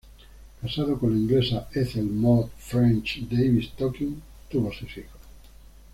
Casado con la inglesa Ethel Maud Ffrench-Davis Tonkin, tuvo seis hijos.